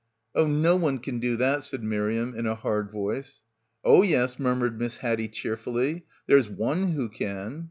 "Oh, no one can do that," said Miriam in a hard voice. "Oh yes," murmured Miss Haddie cheerfully, "there's One who can."